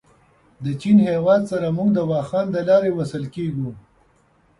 د چین هېواد سره موږ د واخان دلاري وصل کېږو.